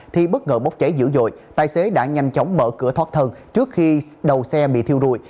thì bất ngờ bốc cháy dữ dội tài xế đã nhanh chóng mở cửa thoát thân trước khi đầu xe bị thiêu rụi